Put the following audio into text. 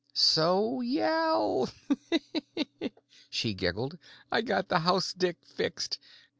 "So yell," she giggled. "I got the house dick fixed.